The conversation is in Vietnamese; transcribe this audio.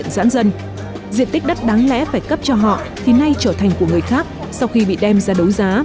xin chào các bạn